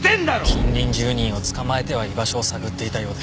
近隣住人を捕まえては居場所を探っていたようです。